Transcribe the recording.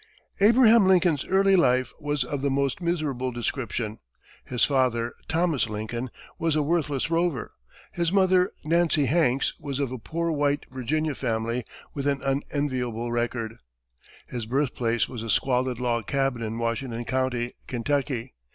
Abraham Lincoln's early life was of the most miserable description. His father, Thomas Lincoln, was a worthless rover; his mother, Nancy Hanks, was of a "poor white" Virginia family with an unenviable record. His birthplace was a squalid log cabin in Washington County, Kentucky.